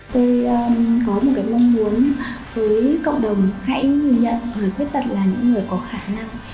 tôi có một cái mong muốn với cộng đồng hãy nhìn nhận người khuyết tật là những người có khả năng